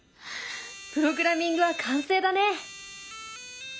プログラミングは完成だね！